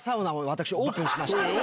私オープンしまして。